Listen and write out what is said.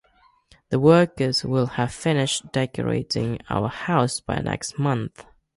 The workers will have finished decorating our house by next month.